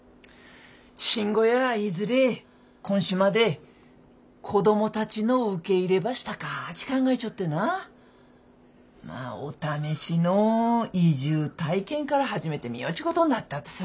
信吾やいずれこん島で子供たちの受け入ればしたかっち考えちょってなお試しの移住体験から始めてみようっちゅうことになったとさ。